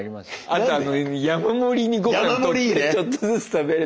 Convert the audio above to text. あと山盛りに御飯取ってちょっとずつ食べるとか。